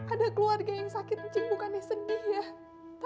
ada keluarga yang sakit bukannya sedih ya